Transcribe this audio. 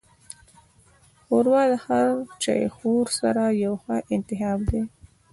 ښوروا د هر چایخوړ سره یو ښه انتخاب دی.